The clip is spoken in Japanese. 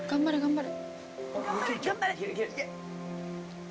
頑張れ！